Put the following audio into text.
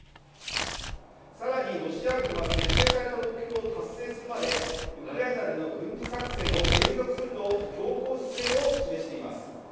更にロシア軍は設定された目標を達成するまでウクライナでの軍事作戦を継続すると強硬姿勢を示しています。